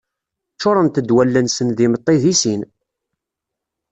Ččurent-d wallen-nsen d imeṭṭi di sin.